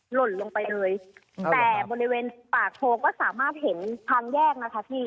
หล่นลงไปเลยแต่บริเวณปากโพก็สามารถเห็นทางแยกนะคะพี่